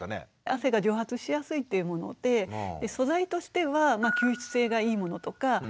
汗が蒸発しやすいっていうもので素材としては吸湿性がいいものとか。